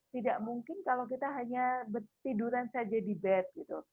tidak mungkin kalau kita hanya tiduran saja di bed gitu